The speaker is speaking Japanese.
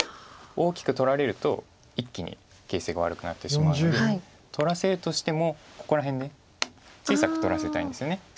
大きく取られると一気に形勢が悪くなってしまうので取らせるとしてもここら辺で小さく取らせたいんですよね